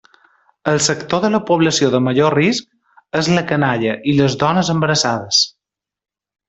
El sector de la població de major risc és la canalla i les dones embarassades.